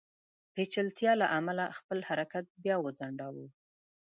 پېچلتیا له امله خپل حرکت بیا وځنډاوه.